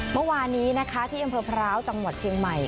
เมื่อวานี้ที่อันพรภร้าวจังหวัดเชียงใหม่